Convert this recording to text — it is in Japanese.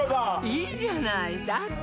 いいじゃないだって